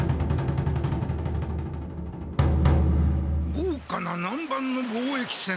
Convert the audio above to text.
ごうかな南蛮の貿易船？